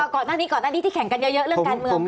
ก่อนหน้านี้ที่แข่งกันเยอะเรื่องการเมืองค่ะ